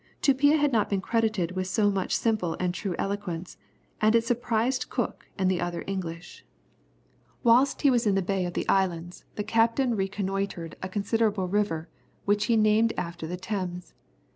Tupia had not been credited with so much simple and true eloquence, and it surprised Cook and the other English. Whilst he was in the bay of the islands, the captain reconnoitred a considerable river, which he named after the Thames.